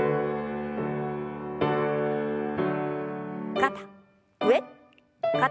肩上肩下。